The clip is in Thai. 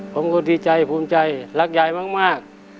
ผมก็ดีใจภูมิใจรักยายมาก